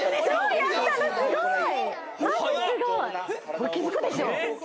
これ、気付くでしょ。